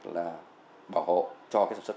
là bảo hộ cho cái sản xuất